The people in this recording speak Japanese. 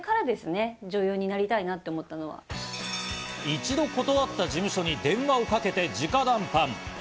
一度断った事務所に電話をかけて直談判。